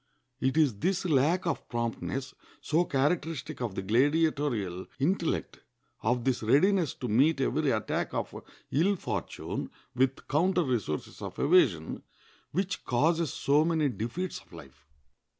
It is this lack of promptness, so characteristic of the gladiatorial intellect, of this readiness to meet every attack of ill fortune with counter resources of evasion, which causes so many defeats of life.